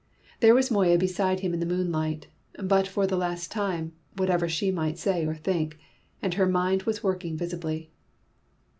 There was Moya beside him in the moonlight, but for the last time, whatever she might say or think! And her mind was working visibly.